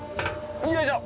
よいしょ！